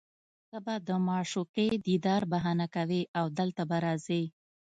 ته به د معشوقې دیدار بهانه کوې او دلته به راځې